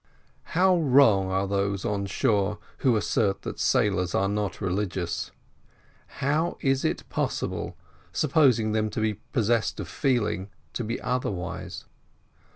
How wrong are those on shore who assert that sailors are not religious! how is it possible, supposing them to be possessed of feeling, to be otherwise?